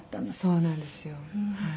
そうなんですよはい。